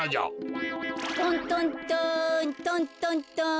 トントントントントントン。